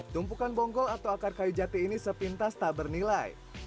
tumpukan bonggol atau akar kayu jati ini sepintas tak bernilai